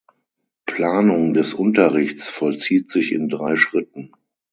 Planung des Unterrichts vollzieht sich in drei Schritten.